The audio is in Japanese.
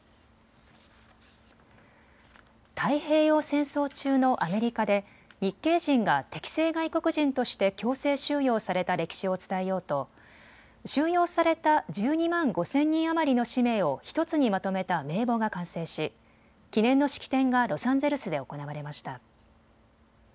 太平洋戦争中のアメリカで日系人が敵性外国人として強制収容された歴史を伝えようと収容された１２万５０００人余りの氏名を１つにまとめた名簿が完成し記念の式典がロサンゼルスで行われました。